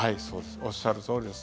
おっしゃるとおりです。